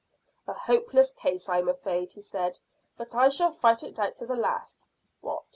"A hopeless case, I am afraid," he said, "but I shall fight it out to the last. What?